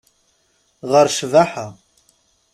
Ɣer ccbaḥa.